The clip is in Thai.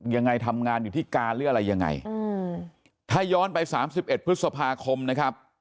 ยังไงทำงานอยู่ที่กาหรืออะไรยังไงถ้าย้อนไป๓๑พฤษภาคมนะครับ